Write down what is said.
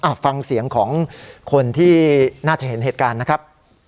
ฟังเสียงของคนที่น่าจะเห็นเหตุการณ์นะครับ